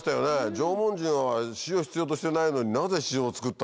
「縄文人は塩必要としてないのになぜ塩を作った？」